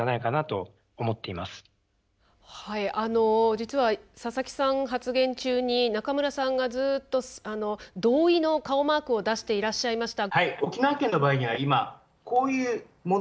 実は佐々木さん発言中に中村さんがずっと同意の顔マークを出していらっしゃいました。